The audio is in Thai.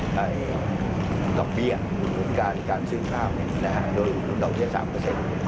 ของตอบเบียนหรือการซื้อข้าวโดยคุณโดยเงิน๓